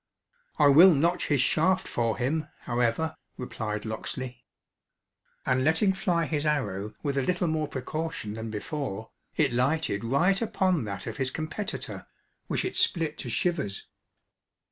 "I will notch his shaft for him, however," replied Locksley. And letting fly his arrow with a little more precaution than before, it lighted right upon that of his competitor, which it split to shivers.